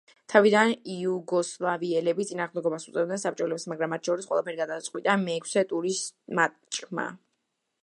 თავიდან იუგოსლავიელები წინააღმდეგობას უწევდნენ საბჭოელებს, მაგრამ მათ შორის ყველაფერი გადაწყვიტა მეექვსე ტურის მატჩმა.